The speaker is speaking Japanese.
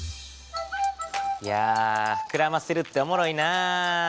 いやふくらませるっておもろいな。